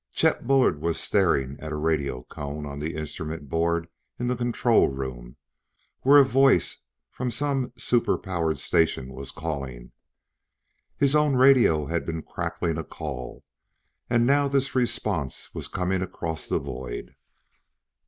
Chet Bullard was staring at a radiocone on the instrument board in the control room where a voice from some super powered station was calling. His own radio had been crackling a call, and now this response was coming across the void.